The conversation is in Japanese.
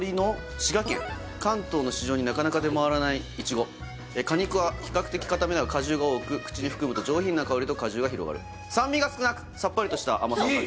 滋賀県関東の市場になかなか出回らないイチゴ果肉は比較的かためだが果汁が多く口に含むと上品な香りと果汁が広がる酸味が少なくさっぱりとした甘さいい！